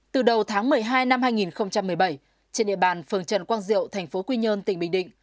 từ đầu tháng một mươi hai năm hai nghìn một mươi bảy trên địa bàn phường trần quang diệu thành phố quy nhơn tỉnh bình định